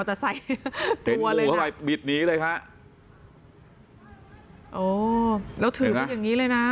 มอเตอร์ไซต์ตัวเลยนะโอ้แล้วถือมันอย่างงี้เลยน่ะ